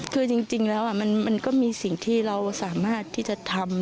คือจริงแล้วมันก็มีสิ่งที่เราสามารถที่จะทำ